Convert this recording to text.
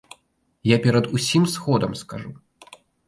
Я перад усім сходам скажу.